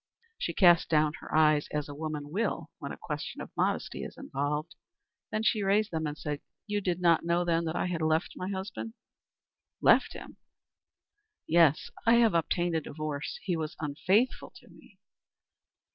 She cast down her eyes, as a woman will when a question of modesty is involved, then she raised them and said: "You did not know, then, that I had left my husband?" "Left him?" "Yes. I have obtained a divorce. He was unfaithful to me."